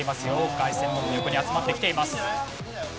凱旋門の横に集まってきています。